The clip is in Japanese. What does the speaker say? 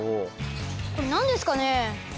これ何ですかね？